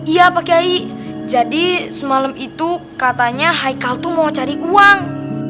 iya pak kiai jadi semalam itu katanya haikal tuh mau cari uang